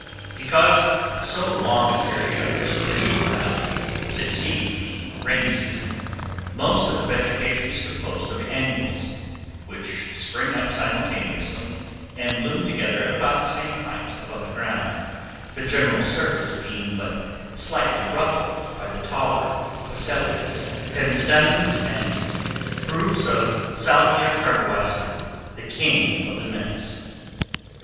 ] Because so long a period of extreme drought succeeds the rainy season, most of the vegetation is composed of annuals, which spring up simultaneously, and bloom together at about the same height above the ground, the general surface being but slightly ruffled by the taller phacelias, pentstemons, and groups of Salvia carduacea, the king of the mints.